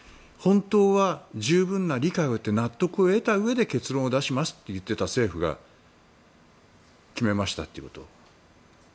本当は十分な理解、納得を得たうえで結論を出しますと言っていた政府が決めましたということを。